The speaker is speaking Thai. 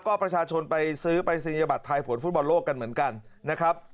ก็ประชาชนไปซื้อปรายศนียบัตรไทยผลฟุตบอลโลกกันเหมือนกันนะครับ